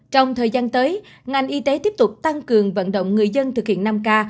trong thời gian tới ngành y tế tiếp tục tăng cường vận động người dân thực hiện năm k